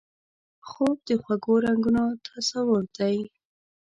خوب د خوږو رنګونو تصور دی